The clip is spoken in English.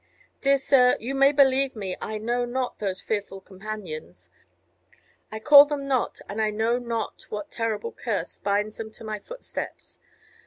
Dear sir, you may believe me, I know not those fearful companions; I call them not, and I know not what terrible curse binds them to my footsteps.